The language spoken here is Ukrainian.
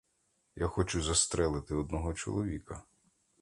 Я хочу застрелити одного чоловіка.